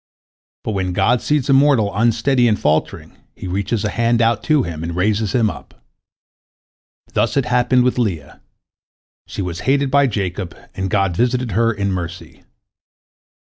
But when God sees a mortal unsteady and faltering, He reaches a hand out to him, and raises him up. Thus it happened with Leah. She was hated by Jacob, and God visited her in mercy.